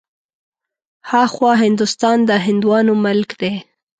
ها خوا هندوستان د هندوانو ملک دی.